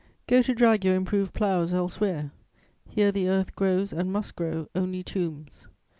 Go to drag your improved ploughs elsewhere; here the earth grows and must grow only tombs.